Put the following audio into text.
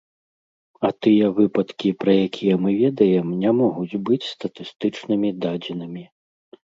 А тыя выпадкі, пра якія мы ведаем, не могуць быць статыстычнымі дадзенымі.